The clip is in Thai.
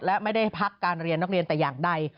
และไม่ได้พักการเรียนนักเรียนแต่อย่างใด